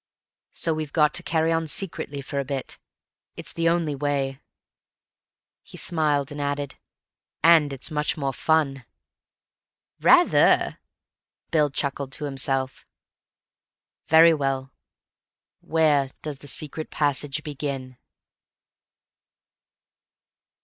"So we've got to carry on secretly for a bit. It's the only way." He smiled and added, "And it's much more fun." "Rather!" Bill chuckled to himself. "Very well. Where does the secret passage begin?"